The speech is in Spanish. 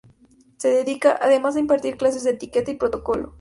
Se dedica, además, a impartir clases de etiqueta y protocolo.